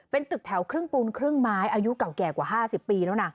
เป็นตึกแถวครึ่งปูนครึ่งไม้อายุเก่าแก่กว่า๕๐ปีแล้วนะ